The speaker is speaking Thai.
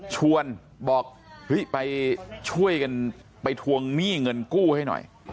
บอกเฮ้ยไปช่วยกันไปทวงหนี้เงินกู้ให้หน่อย